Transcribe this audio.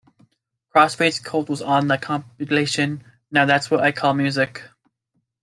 Crossfade's "Cold" was on the compilation "Now That's What I Call Music!